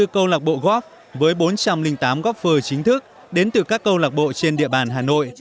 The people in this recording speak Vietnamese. ba mươi bốn câu lạc bộ góp với bốn trăm linh tám góp phơ chính thức đến từ các câu lạc bộ trên địa bàn hà nội